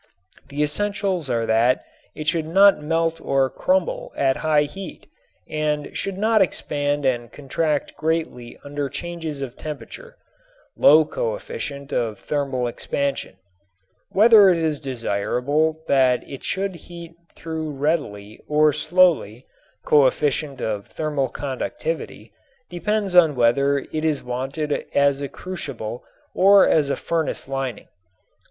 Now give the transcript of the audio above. The essentials are that it should not melt or crumble at high heat and should not expand and contract greatly under changes of temperature (low coefficient of thermal expansion). Whether it is desirable that it should heat through readily or slowly (coefficient of thermal conductivity) depends on whether it is wanted as a crucible or as a furnace lining.